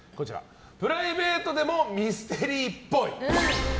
プライベートでもミステリーっぽい。